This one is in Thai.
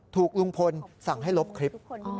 ถูกลุงพลสั่งให้ลบคลิป